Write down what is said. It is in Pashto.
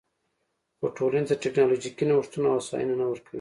خو ټولنې ته ټکنالوژیکي نوښتونه او هوساینه نه ورکوي